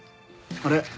あれ？